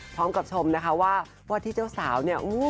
พร้อมกับชมนะคะว่าที่เจ้าสาวเนี่ย